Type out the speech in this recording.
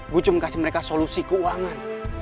gue cuma kasih mereka solusi keuangan